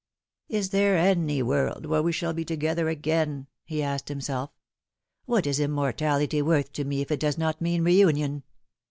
" Is there any world where we shall be together again ?" he asked himself. " What is immortality worth to me if it does not mean reunion